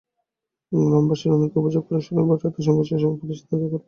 গ্রামবাসীর অনেকে অভিযোগ করেন, শনিবার রাতে সংঘর্ষের সময় পুলিশ তাঁদের ঘরবাড়ি ভাঙচুর করে।